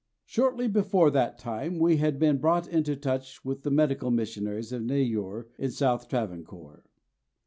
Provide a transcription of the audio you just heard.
Shortly before that time we had been brought into touch with the medical missionaries at Neyoor, in South Travancore.